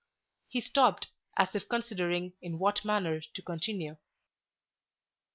He stopped, as if considering in what manner to continue.